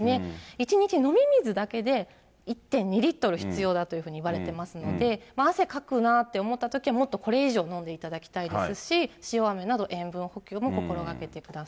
一日飲み水だけで１．２リットル必要だというふうにいわれてますので、汗かくなって思ったときはもっとこれ以上飲んでいただきたいですし、塩あめなど塩分補給も心がけてください。